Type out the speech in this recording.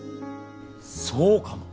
そうかも。